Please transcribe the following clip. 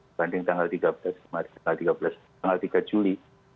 dibanding tanggal tiga juli